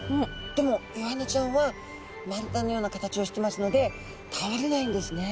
でもイワナちゃんは丸太のような形をしてますので倒れないんですね。